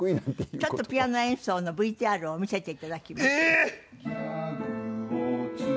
ちょっとピアノ演奏のＶＴＲを見せていただきます。